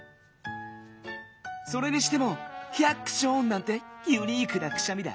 それにしても「ヒャクショーン！」なんてユニークなくしゃみだ。